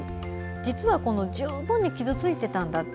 実は、十分に傷ついていたんだと。